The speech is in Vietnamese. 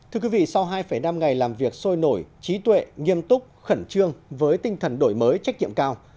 thưa quý vị sau hai năm ngày làm việc sôi nổi trí tuệ nghiêm túc khẩn trương với tinh thần đổi mới trách nhiệm cao